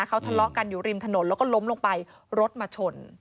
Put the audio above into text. เขาทะเลาะกันอยู่ริมถนนแล้วก็ล้มลงไปรถมาชน